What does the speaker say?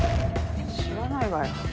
知らないわよ。